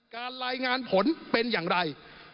รายงานผลเป็นอย่างไร